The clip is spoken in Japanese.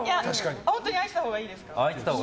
本当に開いてたほうがいいですか？